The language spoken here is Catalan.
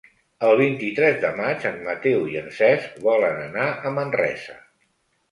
El vint-i-tres de maig en Mateu i en Cesc volen anar a Manresa.